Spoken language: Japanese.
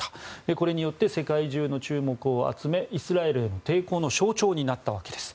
これによって世界中の注目を集めイスラエルへの抵抗の象徴になったわけです。